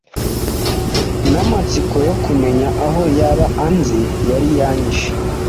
n'amatsiko yo kumenya aho yaba anzi yari yanyishe.